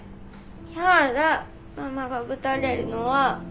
やだママがぶたれるのは。